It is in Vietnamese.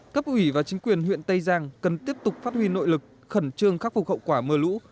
cấp ủy và chính quyền huyện tây giang cần tiếp tục phát huy nội lực khẩn trương khắc phục hậu quả mưa lũ